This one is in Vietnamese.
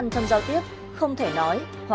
con hư thế nhở